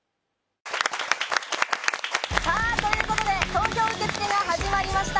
さあ、ということで、投票受け付けが始まりました。